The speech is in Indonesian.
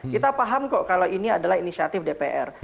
kita paham kok kalau ini adalah inisiatif dpr